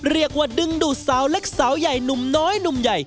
เรียกว่าดึงดูดสาวเล็กสาวใหญ่หนุ่มน้อยหนุ่มใหญ่